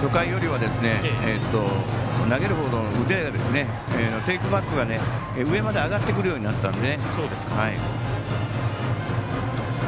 初回よりは投げる方の腕がテイクバックが上まで上がってくるようになったので。